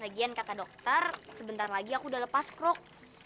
lagian kata dokter sebentar lagi aku udah lepas kruk